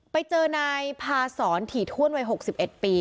ไปเจอนายพาสองถีทั่วนไว้๖๑ปี